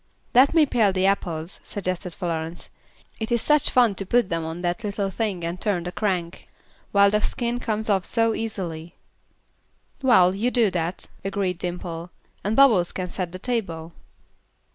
"Let me pare the apples," suggested Florence; "it is such fun to put them on that little thing and turn the crank, while the skin comes off so easily." "Well, you do that," agreed Dimple. "And Bubbles can set the table."